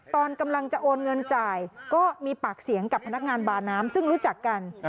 ตอนกำลังจะโอนเงินจ่ายก็มีปากเสียงกับพนักงานบาน้ำซึ่งรู้จักกัน